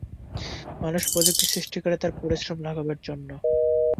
মানুষ প্রযুক্তি সৃষ্টি করে তার পরিশ্রম লাঘবের জন্য।